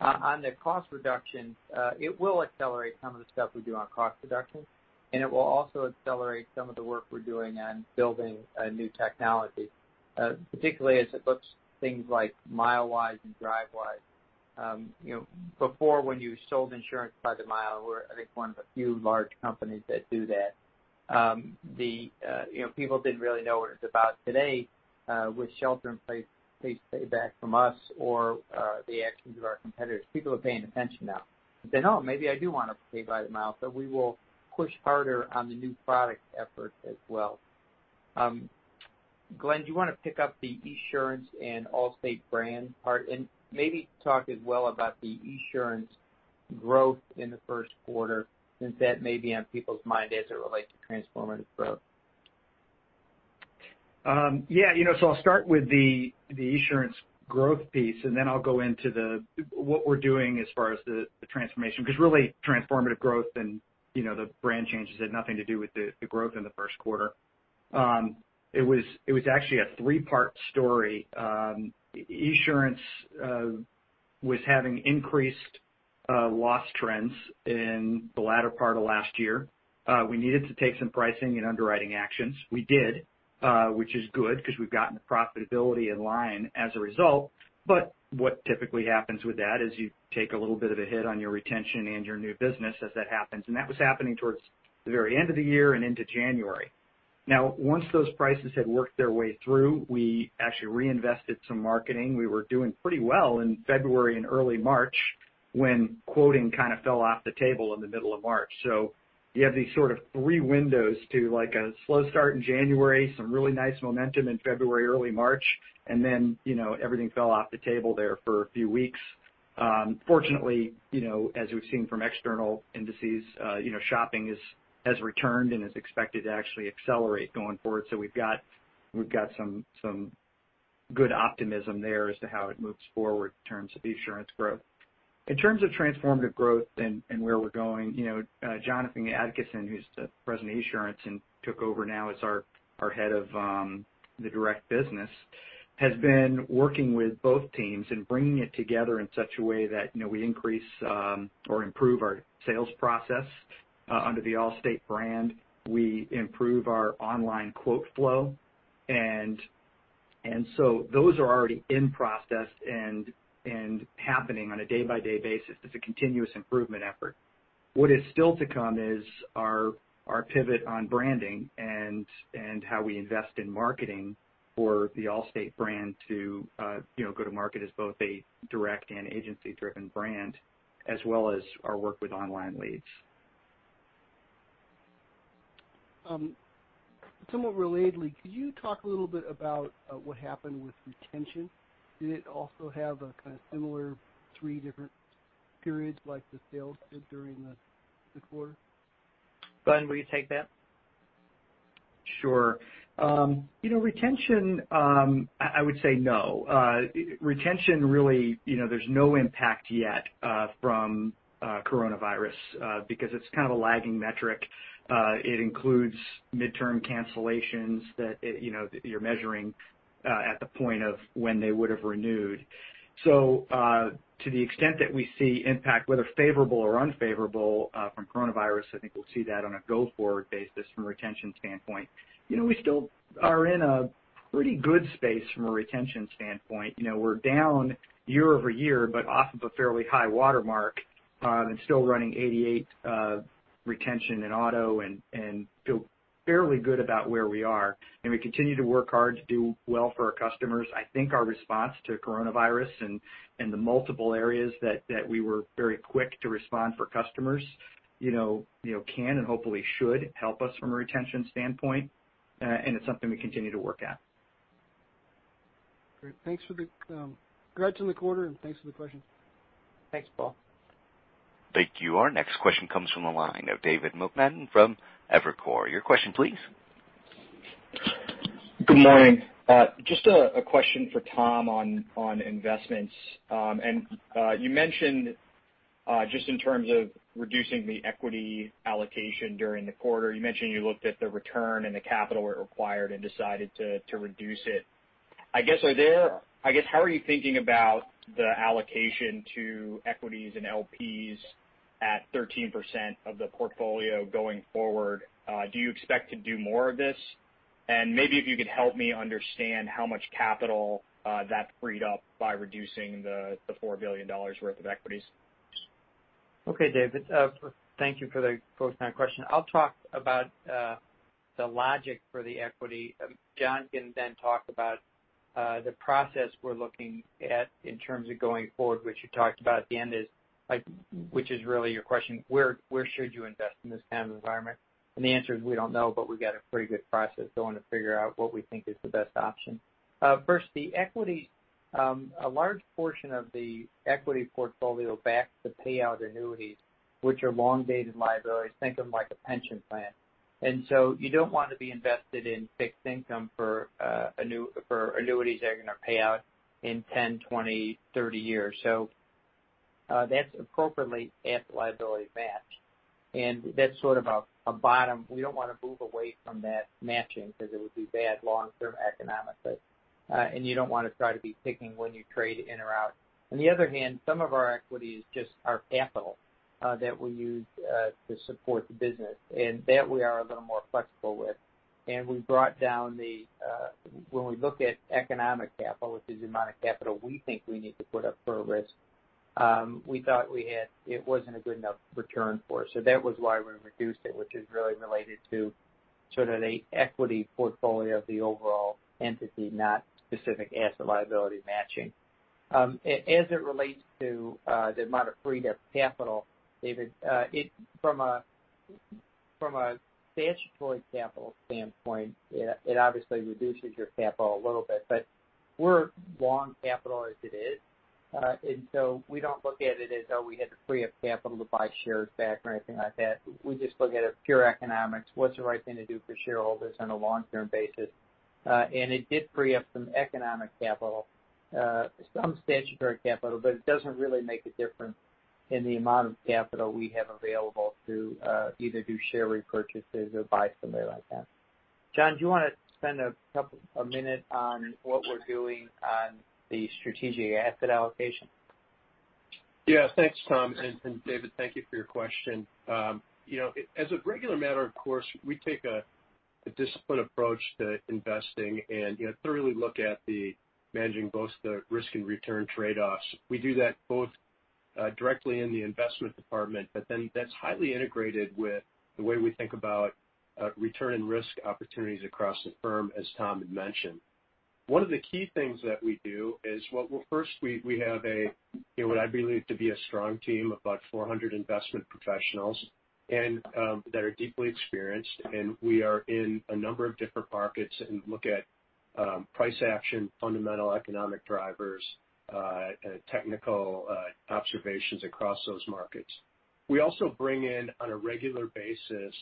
On the cost reduction, it will accelerate some of the stuff we do on cost reduction, and it will also accelerate some of the work we're doing on building new technology, particularly as it looks things like MileWise and DriveWise. Before, when you sold insurance by the mile, we were one of the few large companies that do that. People didn't really know what it was about. Today, with Shelter-in-Place Payback from us or the actions of our competitors, people are paying attention now. They say, "No, maybe I do want to pay by the mile," so we will push harder on the new product effort as well. Glenn, do you want to pick up the Esurance and Allstate brand part and maybe talk as well about the Esurance growth in the first quarter since that may be on people's mind as it relates to transformative growth? Yeah. I'll start with the Esurance growth piece, and then I'll go into what we're doing as far as the transformation because really, transformative growth and the brand changes had nothing to do with the growth in the first quarter. It was actually a three-part story. Esurance was having increased loss trends in the latter part of last year. We needed to take some pricing and underwriting actions. We did, which is good because we've gotten the profitability in line as a result. What typically happens with that is you take a little bit of a hit on your retention and your new business as that happens. That was happening towards the very end of the year and into January. Now, once those prices had worked their way through, we actually reinvested some marketing. We were doing pretty well in February and early March when quoting fell off the table in the middle of March. You have these three windows to a slow start in January, some really nice momentum in February, early March, and then everything fell off the table there for a few weeks. Fortunately, as we've seen from external indices, shopping has returned and is expected to actually accelerate going forward. We've got some good optimism there as to how it moves forward in terms of Esurance growth. In terms of transformative growth and where we're going, Jonathan Adkisson, who's the president of Esurance and took over now as our head of the direct business, has been working with both teams and bringing it together in such a way that we increase or improve our sales process under the Allstate brand. We improve our online quote flow, and so those are already in process and happening on a day-by-day basis. It's a continuous improvement effort. What is still to come is our pivot on branding and how we invest in marketing for the Allstate brand to go to market as both a direct and agency-driven brand as well as our work with online leads. Somewhat relatedly, could you talk a little bit about what happened with retention? Did it also have a similar three different periods like the sales did during the quarter? Glenn, will you take that? Sure. Retention, I would say no. Retention, really, there's no impact yet from coronavirus because it's a lagging metric. It includes midterm cancellations that you're measuring at the point of when they would have renewed. To the extent that we see impact, whether favorable or unfavorable from coronavirus, we'll see that on a go-forward basis from a retention standpoint. We still are in a pretty good space from a retention standpoint. We're down year over year, but off of a fairly high watermark and still running 88% retention in auto and feel fairly good about where we are. We continue to work hard to do well for our customers. Our response to coronavirus and the multiple areas that we were very quick to respond for customers can and hopefully should help us from a retention standpoint.It's something we continue to work at. Great. Thanks for the congrats on the quarter, and thanks for the questions. Thanks, Paul. Thank you. Our next question comes from the line of David Motemaden from Evercore. Your question, please. Good morning. Just a question for Tom on investments, and you mentioned just in terms of reducing the equity allocation during the quarter you looked at the return and the capital it required and decided to reduce it. How are you thinking about the allocation to equities and LPs at 13% of the portfolio going forward? Do you expect to do more of this, and maybe if you could help me understand how much capital that freed up by reducing the $4 billion worth of equities. Okay, David. Thank you for the question. I'll talk about the logic for the equity. John can then talk about the process we're looking at in terms of going forward, which you talked about at the end, which is really your question, where should you invest in this environment? The answer is we don't know, but we've got a pretty good process going to figure out what we think is the best option. First, the equities, a large portion of the equity portfolio backed to pay out annuities, which are long-dated liabilities. Think of them like a pension plan. You don't want to be invested in fixed income for annuities that are going to pay out in 10, 20, 30 years. That's appropriately at liability match. That's a bottom. We don't want to move away from that matching because it would be bad long-term economically, and you don't want to try to be picking when you trade in or out. On the other hand, some of our equity is just our capital that we use to support the business, and that we are a little more flexible with, and we brought down the when we look at economic capital, which is the amount of capital we think we need to put up for a risk, we thought it wasn't a good enough return for us, so that was why we reduced it, which is really related to the equity portfolio of the overall entity, not specific asset liability matching. As it relates to the amount of freed-up capital, David, from a statutory capital standpoint, it obviously reduces your capital a little bit. We're long capital as it is. We don't look at it as, "Oh, we had to free up capital to buy shares back or anything like that." We just look at it pure economics. What's the right thing to do for shareholders on a long-term basis? It did free up some economic capital, some statutory capital, but it doesn't really make a difference in the amount of capital we have available to either do share repurchases or buy something like that. John, do you want to spend a minute on what we're doing on the strategic asset allocation? Yeah. Thanks Tom, and David, thank you for your question. As a general matter, of course, we take a disciplined approach to investing and thoroughly look at managing both the risk and return trade-offs. We do that both directly in the investment department, but then that's highly integrated with the way we think about return and risk opportunities across the firm, as Tom had mentioned. One of the key things that we do is, well, first, we have what I believe to be a strong team of about 400 investment professionals that are deeply experienced. We are in a number of different markets and look at price action, fundamental economic drivers, technical observations across those markets. We also bring in, on a regular basis,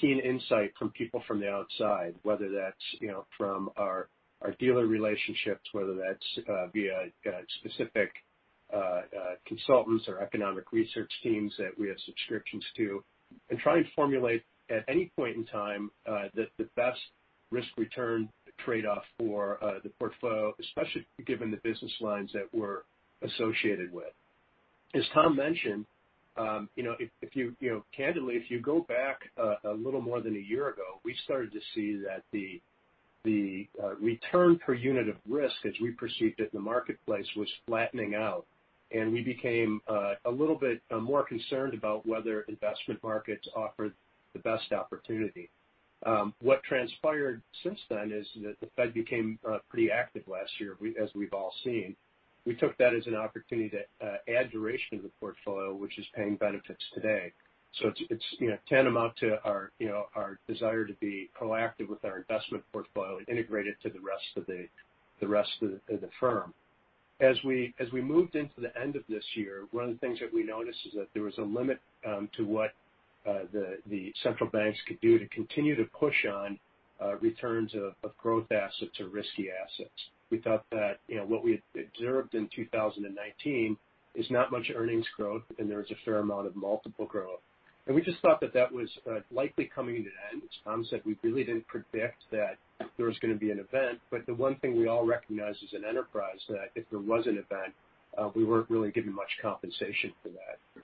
keen insight from people from the outside, whether that's from our dealer relationships, whether that's via specific consultants or economic research teams that we have subscriptions to, and try and formulate at any point in time the best risk-return trade-off for the portfolio, especially given the business lines that we're associated with. As Tom mentioned, if you candidly, if you go back a little more than a year ago, we started to see that the return per unit of risk, as we perceived it in the marketplace, was flattening out, and we became a little bit more concerned about whether investment markets offered the best opportunity. What transpired since then is that the Fed became pretty active last year, as we've all seen. We took that as an opportunity to add duration to the portfolio, which is paying benefits today. It's tantamount to our desire to be proactive with our investment portfolio and integrate it to the rest of the firm. As we moved into the end of this year, one of the things that we noticed is that there was a limit to what the central banks could do to continue to push on returns of growth assets or risky assets. We thought that what we had observed in 2019 is not much earnings growth, and there was a fair amount of multiple growth, and we just thought that that was likely coming to an end. As Tom said, we really didn't predict that there was going to be an event, but the one thing we all recognize as an enterprise is that if there was an event, we weren't really given much compensation for that.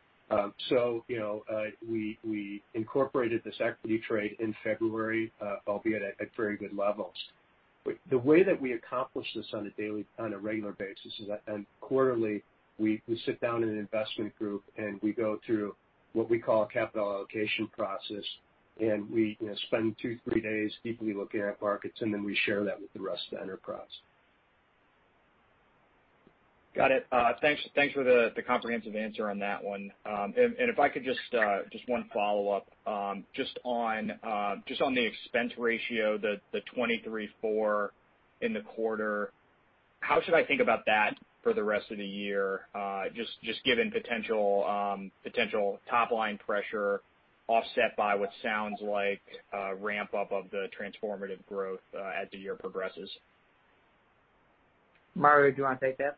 We incorporated this equity trade in February, albeit at very good levels. The way that we accomplish this on a regular basis is that quarterly, we sit down in an investment group, and we go through what we call a capital allocation process. We spend two, three days deeply looking at markets, and then we share that with the rest of the enterprise. Got it. Thanks for the comprehensive answer on that one. If I could just one follow-up, just on the expense ratio, the 23.4% in the quarter, how should about that for the rest of the year, just given potential top-line pressure offset by what sounds like a ramp-up of the transformative growth as the year progresses? Mario, do you want to take that?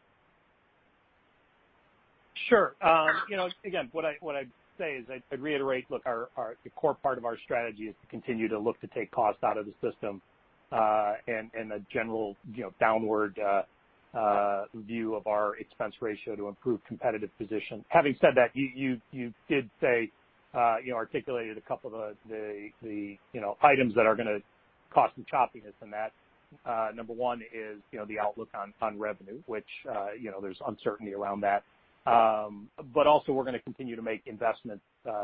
Sure. Again, what I'd say is I'd reiterate, look, the core part of our strategy is to continue to look to take cost out of the system and a general downward view of our expense ratio to improve competitive position. Having said that, you did say, articulated a couple of the items that are going to cause some choppiness in that. Number one is the outlook on revenue, which there's uncertainty around that. Also, we're going to continue to make investments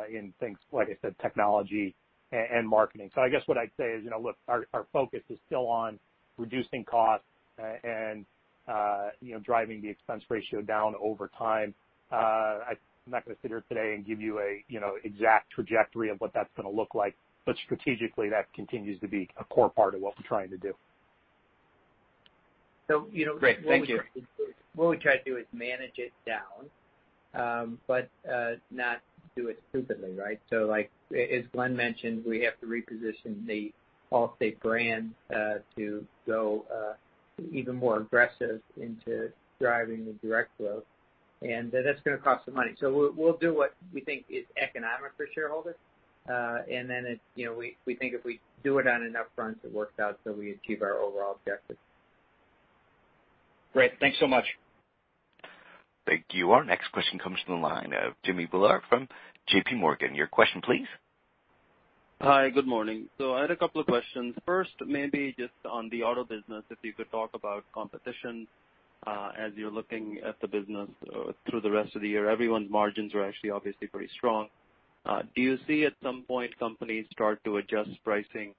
in things, like I said, technology and marketing. What I'd say is, look, our focus is still on reducing cost and driving the expense ratio down over time. I'm not going to sit here today and give you an exact trajectory of what that's going to look like. Strategically, that continues to be a core part of what we're trying to do. What we try to do is manage it down, but not do it stupidly, right? As Glenn mentioned, we have to reposition the Allstate brand to go even more aggressive into driving the direct growth, and that's going to cost some money. We'll do what we think is economic for shareholders, and then we think if we do it on an upfront, it works out so we achieve our overall objective. Great. Thanks so much. Thank you. Our next question comes from the line of Jimmy Bhullar from J.P. Morgan. Your question, please. Hi, good morning. I had a couple of questions. First, maybe just on the auto business, if you could talk about competition as you're looking at the business through the rest of the year. Everyone's margins are actually obviously pretty strong. Do you see at some point companies start to adjust pricing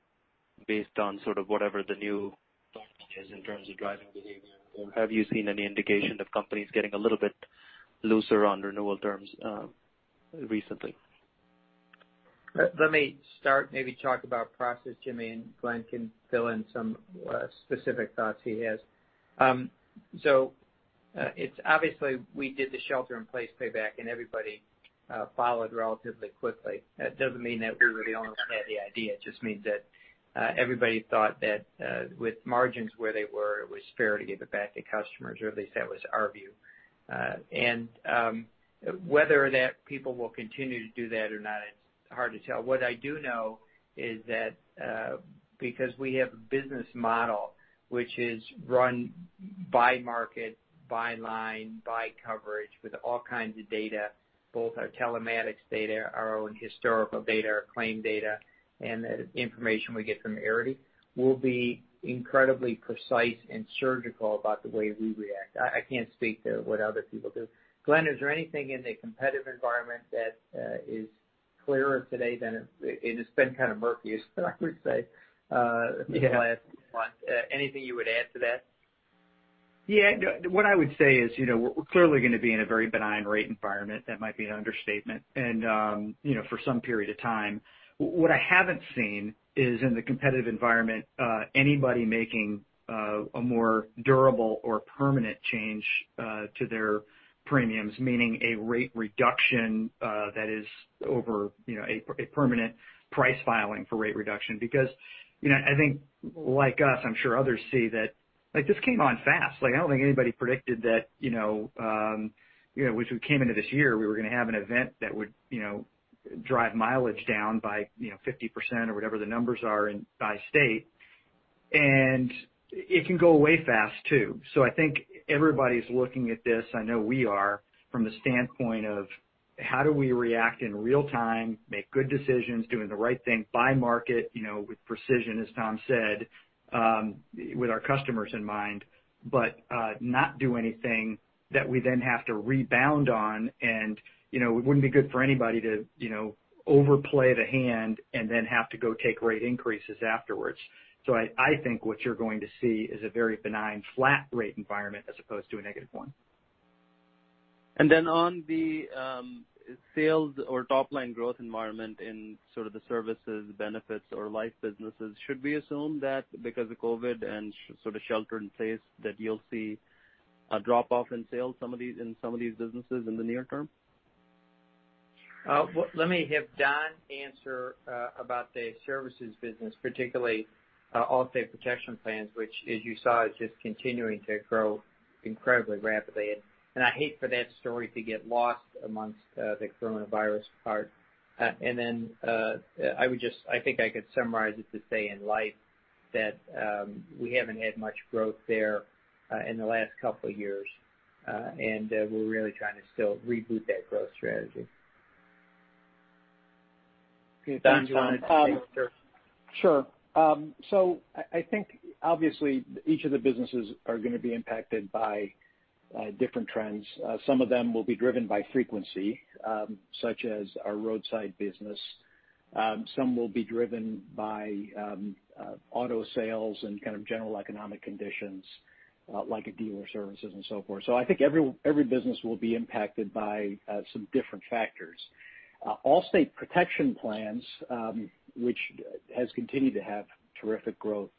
based on whatever the new market is in terms of driving behavior? Or have you seen any indication of companies getting a little bit looser on renewal terms recently? Let me start, maybe talk about process, Jimmy, and Glenn can fill in some specific thoughts he has. Obviously, we did the Shelter-in-Place Payback, and everybody followed relatively quickly. That doesn't mean that we were the only ones who had the idea. It just means that everybody thought that with margins where they were, it was fair to give it back to customers, or at least that was our view, and whether that people will continue to do that or not, it's hard to tell. What I do know is that because we have a business model which is run by market, by line, by coverage, with all kinds of data, both our telematics data, our own historical data, our claim data, and the information we get from Arity, we'll be incredibly precise and surgical about the way we react. I can't speak to what other people do. Glenn, is there anything in the competitive environment that is clearer today than it has been murky, I would say, in the last month? Anything you would add to that? Yeah. What I would say is we're clearly going to be in a very benign rate environment. That might be an understatement. For some period of time, what I haven't seen is in the competitive environment, anybody making a more durable or permanent change to their premiums, meaning a rate reduction that is over a permanent price filing for rate reduction. Like us, I'm sure others see that this came on fast. I don't think anybody predicted that as we came into this year, we were going to have an event that would drive mileage down by 50% or whatever the numbers are by state. It can go away fast too. Everybody's looking at this, I know we are, from the standpoint of how do we react in real time, make good decisions, doing the right thing, by market with precision, as Tom said, with our customers in mind, but not do anything that we then have to rebound on. It wouldn't be good for anybody to overplay the hand and then have to go take rate increases afterwards. What you're going to see is a very benign flat rate environment as opposed to a negative one. And then on the sales or top-line growth environment in the services, benefits, or life businesses, should we assume that because of COVID and shelter-in-place, that you'll see a drop-off in sales in some of these businesses in the near term? Let me have Don answer about the services business, particularly Allstate Protection Plans, which, as you saw, is just continuing to grow incredibly rapidly. I hate for that story to get lost amongst the coronavirus part. I could summarize it to say in life that we haven't had much growth there in the last couple of years. We're really trying to still reboot that growth strategy. Sure, so obviously, each of the businesses are going to be impacted by different trends. Some of them will be driven by frequency, such as our roadside business. Some will be driven by auto sales and general economic conditions, like dealer services and so forth. Every business will be impacted by some different factors. Allstate Protection Plans, which has continued to have terrific growth.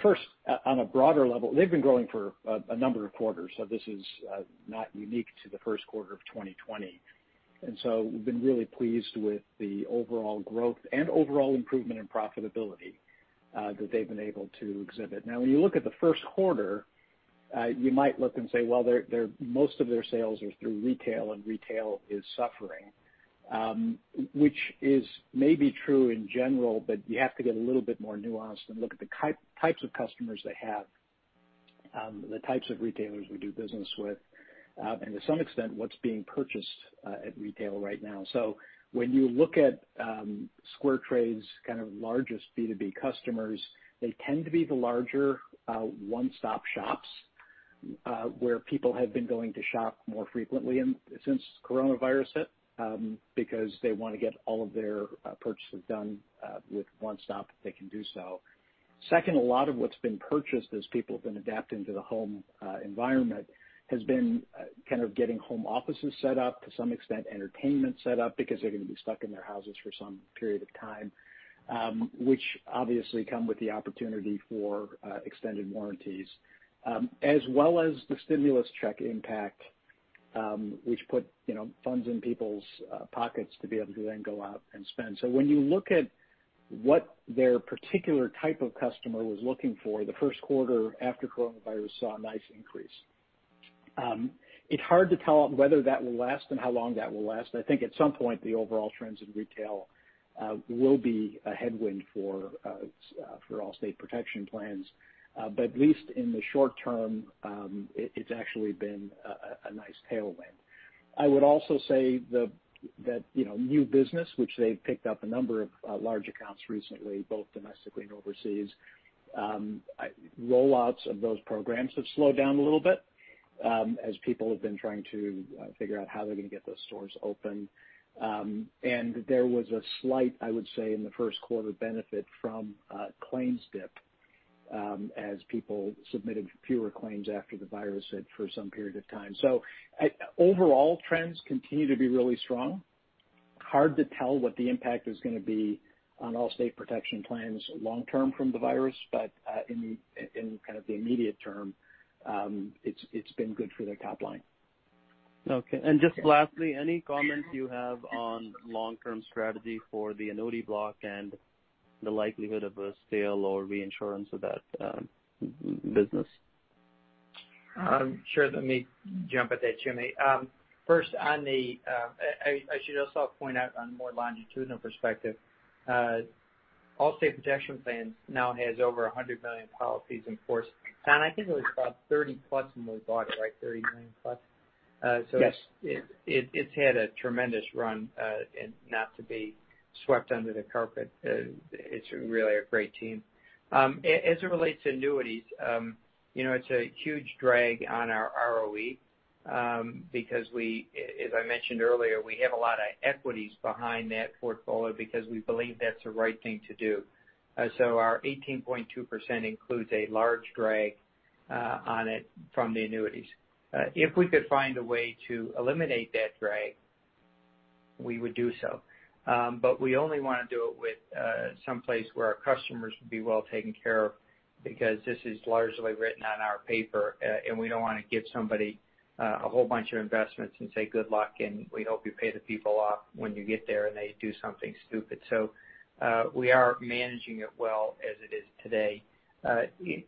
First, on a broader level, they've been growing for a number of quarters. This is not unique to the first quarter of 2020. We've been really pleased with the overall growth and overall improvement in profitability that they've been able to exhibit. Now, when you look at the first quarter, you might look and say, "Well, most of their sales are through retail, and retail is suffering," which is maybe true in general, but you have to get a little bit more nuanced and look at the types of customers they have, the types of retailers we do business with, and to some extent, what's being purchased at retail right now. When you look at SquareTrade's largest B2B customers, they tend to be the larger one-stop shops where people have been going to shop more frequently since coronavirus hit because they want to get all of their purchases done with one stop if they can do so. Second, a lot of what's been purchased as people have been adapting to the home environment has been getting home offices set up, to some extent, entertainment set up because they're going to be stuck in their houses for some period of time, which obviously come with the opportunity for extended warranties, as well as the stimulus check impact, which put funds in people's pockets to be able to then go out and spend. When you look at what their particular type of customer was looking for, the first quarter after coronavirus saw a nice increase. It's hard to tell whether that will last and how long that will last. At some point, the overall trends in retail will be a headwind for Allstate Protection Plans. At least in the short term, it's actually been a nice tailwind. I would also say that new business, which they've picked up a number of large accounts recently, both domestically and overseas, rollouts of those programs have slowed down a little bit as people have been trying to figure out how they're going to get those stores open, and there was a slight, I would say, in the first quarter benefit from claims dip as people submitted fewer claims after the virus hit for some period of time, so overall, trends continue to be really strong. Hard to tell what the impact is going to be on Allstate Protection Plans long-term from the virus, but in the immediate term, it's been good for their top line. Okay. Just lastly, any comments you have on long-term strategy for the annuity block and the likelihood of a sale or reinsurance of that business? Sure. Let me jump at that, Jimmy. First, I should also point out on a more longitudinal perspective, Allstate Protection Plans now has over 100 million policies in force. It was about 30-plus when we bought it, right? 30 million-plus, so it's had a tremendous run and not to be swept under the carpet. It's really a great team. As it relates to annuities, it's a huge drag on our ROE because, as I mentioned earlier, we have a lot of equities behind that portfolio because we believe that's the right thing to do. Our 18.2% includes a large drag on it from the annuities. If we could find a way to eliminate that drag, we would do so. We only want to do it with someplace where our customers would be well taken care of because this is largely written on our paper. We don't want to give somebody a whole bunch of investments and say, "Good luck," and we hope you pay the people off when you get there and they do something stupid. We are managing it well as it is today.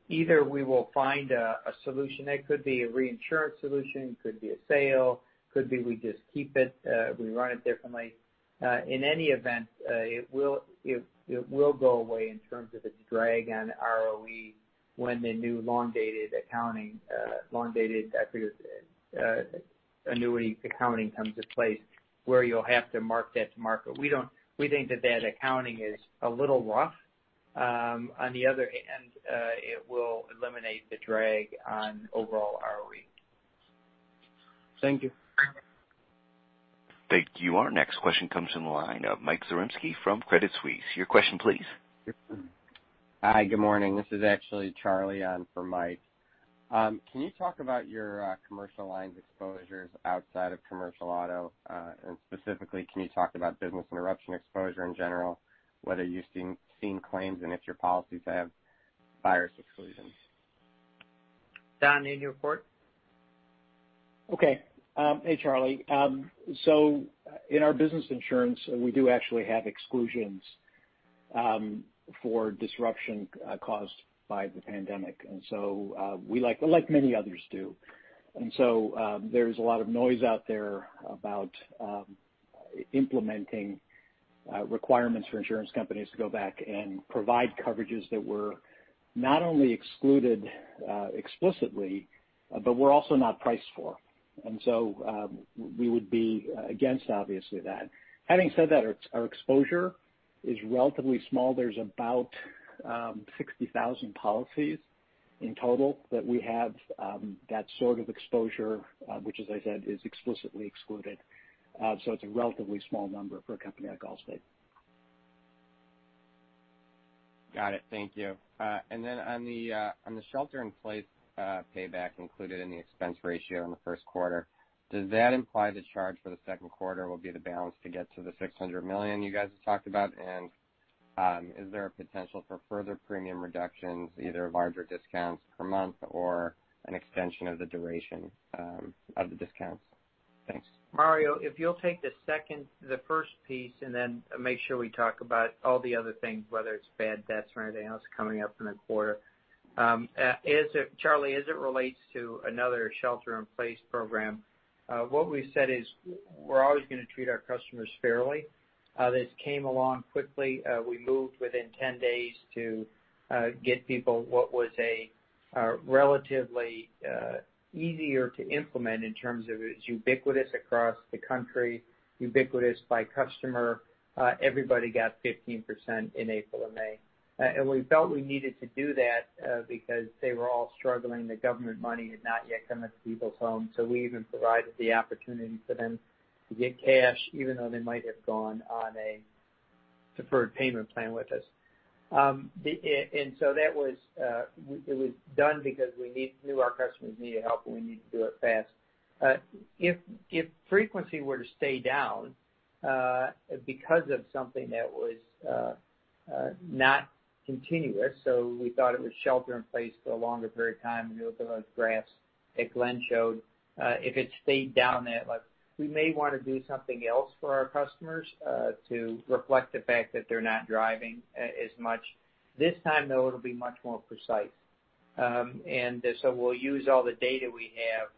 Either we will find a solution that could be a reinsurance solution, could be a sale, could be we just keep it, we run it differently. In any event, it will go away in terms of its drag on ROE when the new long-dated accounting, long-dated annuity accounting comes into place where you'll have to mark that to market. Accounting is a little rough. On the other hand, it will eliminate the drag on overall ROE. Thank you. Our next question comes from the line of Mike Zaremski from Credit Suisse. Your question, please. Hi, good morning. This is actually Charlie on for Mike. Can you talk about your commercial lines exposures outside of commercial auto? And specifically, can you talk about business interruption exposure in general, whether you've seen claims and if your policies have virus exclusions? Don, in your court. Okay. Hey, Charlie. In our business insurance, we do actually have exclusions for disruption caused by the pandemic. We like many others do. There's a lot of noise out there about implementing requirements for insurance companies to go back and provide coverages that were not only excluded explicitly, but were also not priced for. So we would be against, obviously, that. Having said that, our exposure is relatively small. There's about 60,000 policies in total that we have that exposure, which, as I said, is explicitly excluded. It's a relatively small number for a company like Allstate. Got it. Thank you. On the Shelter-in-Place Payback included in the expense ratio in the first quarter, does that imply the charge for the second quarter will be the balance to get to the $600 million you guys have talked about? Is there a potential for further premium reductions, either larger discounts per month or an extension of the duration of the discounts? Thanks. Mario, if you'll take the first piece and then make sure we talk about all the other things, whether it's bad debts or anything else coming up in the quarter. Charlie, as it relates to another Shelter-in-Place program, what we've said is we're always going to treat our customers fairly. This came along quickly. We moved within 10 days to get people what was a relatively easier to implement in terms of it was ubiquitous across the country, ubiquitous by customer. Everybody got 15% in April and May. We felt we needed to do that because they were all struggling. The government money had not yet come into people's homes. We even provided the opportunity for them to get cash, even though they might have gone on a deferred payment plan with us. It was done because we knew our customers needed help and we needed to do it fast. If frequency were to stay down because of something that was not continuous, so we thought it was shelter-in-place for a longer period of time, and we looked at those graphs that Glenn showed, if it stayed down that much, we may want to do something else for our customers to reflect the fact that they're not driving as much. This time, though, it'll be much more precise. We'll use all the data we have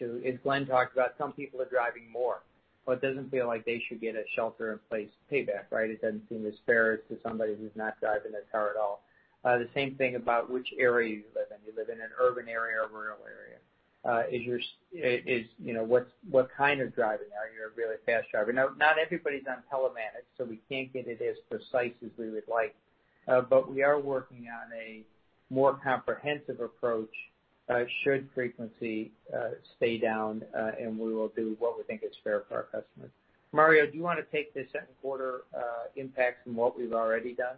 to, as Glenn talked about, some people are driving more. Well, it doesn't feel like they should get a shelter-in-place payback, right? It doesn't seem as fair as to somebody who's not driving their car at all. The same thing about which area you live in. You live in an urban area or rural area? What kind of driving? Are you a really fast driver? Now, not everybody's on telematics, so we can't get it as precise as we would like. We are working on a more comprehensive approach should frequency stay down, and we will do what we think is fair for our customers. Mario, do you want to take the second quarter impacts and what we've already done?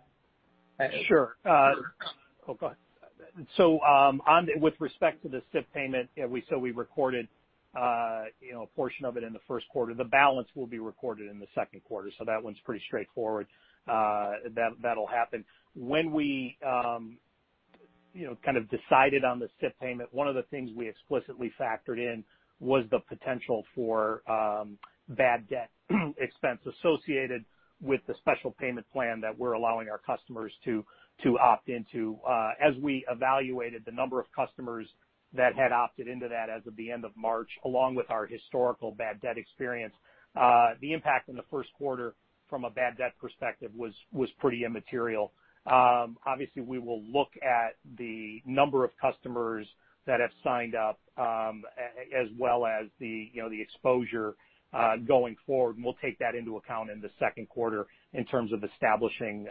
Sure. Oh, go ahead. With respect to the SIP payment, so we recorded a portion of it in the first quarter. The balance will be recorded in the second quarter. That one's pretty straightforward. That'll happen. When we decided on the SIP payment, one of the things we explicitly factored in was the potential for bad debt expense associated with the special payment plan that we're allowing our customers to opt into. As we evaluated the number of customers that had opted into that as of the end of March, along with our historical bad debt experience, the impact in the first quarter from a bad debt perspective was pretty immaterial. Obviously, we will look at the number of customers that have signed up as well as the exposure going forward. We'll take that into account in the second quarter in terms of establishing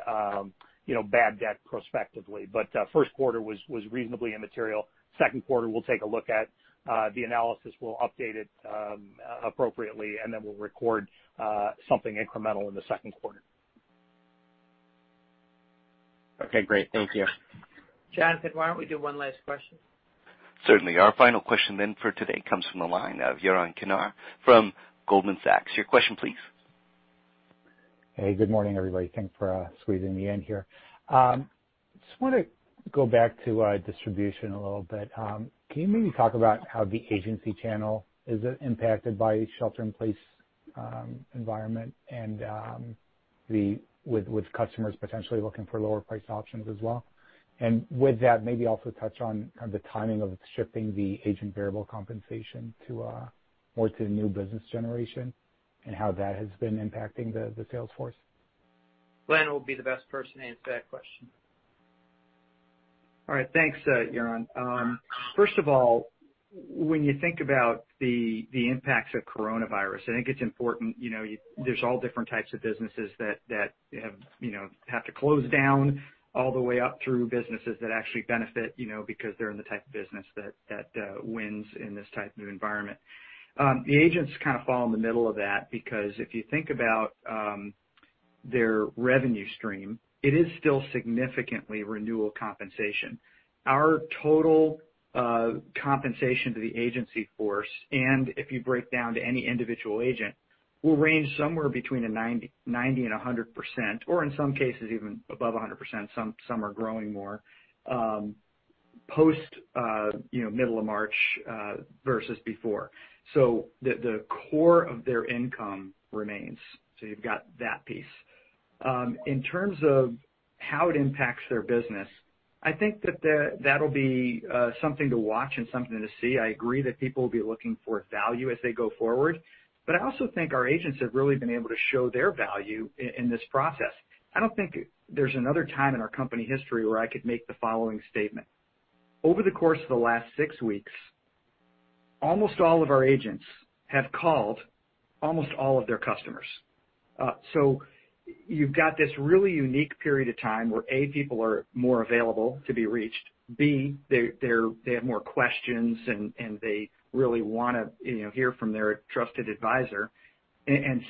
bad debt prospectively. First quarter was reasonably immaterial. Second quarter, we'll take a look at the analysis. We'll update it appropriately, and then we'll record something incremental in the second quarter. Okay. Great. Thank you. Jonathan, why don't we do one last question? Certainly. Our final question then for today comes from the line of Yaron Kinar from Goldman Sachs. Your question, please. Hey. Good morning, everybody. Thanks for squeezing the end here. Just want to go back to distribution a little bit. Can you maybe talk about how the agency channel is impacted by shelter-in-place environment and with customers potentially looking for lower-priced options as well? With that, maybe also touch on the timing of shifting the agent variable compensation more to new business generation and how that has been impacting the salesforce? Glenn will be the best person to answer that question. All right. Thanks, Yaron. First of all, when you think about the impacts of coronavirus, it's important there's all different types of businesses that have to close down all the way up through businesses that actually benefit because they're in the type of business that wins in this type of environment. The agents fall in the middle of that because if you think about their revenue stream, it is still significantly renewal compensation. Our total compensation to the agency force, and if you break down to any individual agent, will range somewhere between 90% and 100%, or in some cases, even above 100%. Some are growing more post-middle of March versus before. The core of their income remains. You've got that piece. In terms of how it impacts their business, that'll be something to watch and something to see. I agree that people will be looking for value as they go forward. Also our agents have really been able to show their value in this process. I don't think there's another time in our company history where I could make the following statement. Over the course of the last six weeks, almost all of our agents have called almost all of their customers. You've got this really unique period of time where A, people are more available to be reached. B, they have more questions, and they really want to hear from their trusted advisor.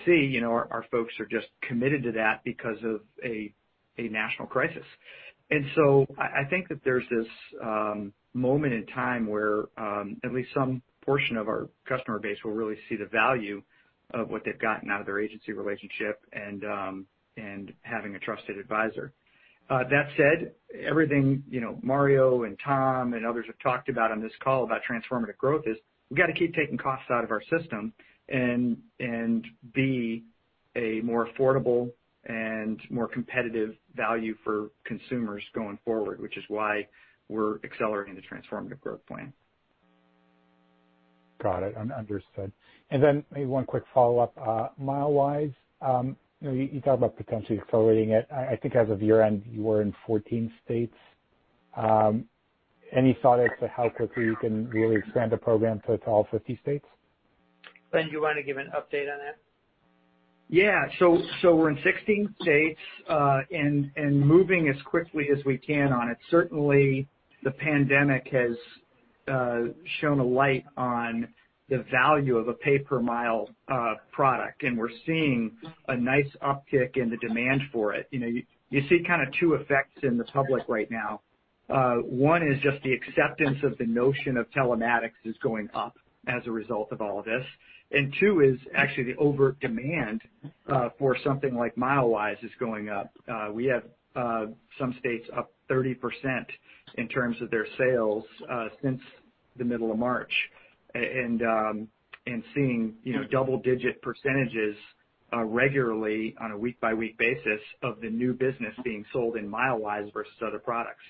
C, our folks are just committed to that because of a national crisis. That there's this moment in time where at least some portion of our customer base will really see the value of what they've gotten out of their agency relationship and having a trusted advisor. That said, everything Mario and Tom and others have talked about on this call about transformative growth is we've got to keep taking costs out of our system and be a more affordable and more competitive value for consumers going forward, which is why we're accelerating the transformative growth plan. Got it. Understood, and then maybe one quick follow-up. MileWise, you talked about potentially accelerating it. As of year-end, you were in 14 states. Any thought as to how quickly you can really expand the program to all 50 states? Glenn, do you want to give an update on that? Yeah. We're in 16 states and moving as quickly as we can on it. Certainly, the pandemic has shown a light on the value of a pay-per-mile product. We're seeing a nice uptick in the demand for it. You see two effects in the public right now. One is just the acceptance of the notion of telematics is going up as a result of all of this. Two is actually the overt demand for something like MileWise is going up. We have some states up 30% in terms of their sales since the middle of March. Seeing double-digit percentages regularly on a week-by-week basis of the new business being sold in MileWise versus other products.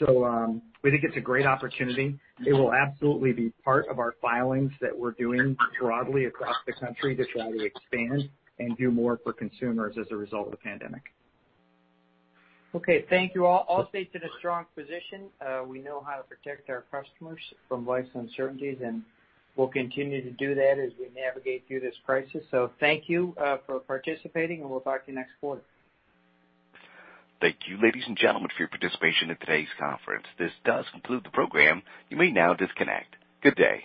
It's a great opportunity. It will absolutely be part of our filings that we're doing broadly across the country to try to expand and do more for consumers as a result of the pandemic. Okay. Thank you all. Allstate's in a strong position. We know how to protect our customers from life's uncertainties, and we'll continue to do that as we navigate through this crisis. Thank you for participating, and we'll talk to you next quarter. Thank you, ladies and gentlemen, for your participation in today's conference. This does conclude the program. You may now disconnect. Good day.